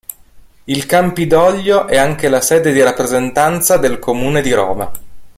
Il Campidoglio è anche la sede di rappresentanza del comune di Roma.